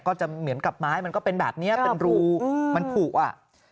ก็จะเหมือนกับไม้มันก็เป็นแบบนี้เป็นรูมันผูกอ่ะ